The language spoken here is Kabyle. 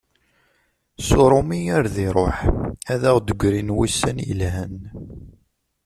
S urumi ar d iruḥ, ad aɣ-d-grin wussan yelhan.